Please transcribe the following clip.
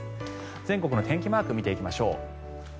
全国の天気マークを見ていきましょう。